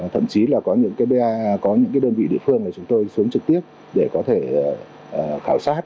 thậm chí là có những đơn vị địa phương chúng tôi xuống trực tiếp để có thể khảo sát